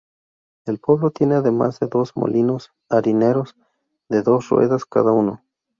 El pueblo tiene además dos molinos harineros de dos ruedas cada uno.